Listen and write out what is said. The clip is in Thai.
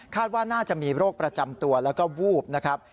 ว่าน่าจะมีโรคประจำตัวแล้วก็วูบนะครับ